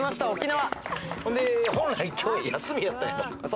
本来、今日休みやったんやろ？